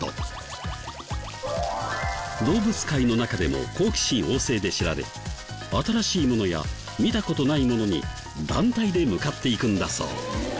動物界の中でも好奇心旺盛で知られ新しいものや見た事ないものに団体で向かっていくんだそう。